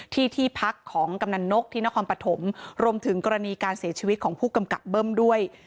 ที่ที่พักของกำนันนกที่นครปฐมรวมถึงกรณีการเสียชีวิตของผู้กำกับเบิ้มด้วย